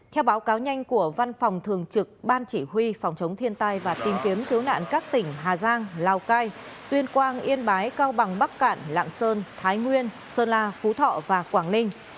theo báo cáo nhanh của văn phòng thường trực ban chỉ huy phòng chống thiên tai và tìm kiếm cứu nạn các tỉnh hà giang lào cai tuyên quang yên bái cao bằng bắc cạn lạng sơn thái nguyên sơn la phú thọ và quảng ninh